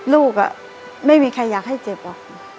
ลูกไม่มีใครอยากให้เจ็บหรอก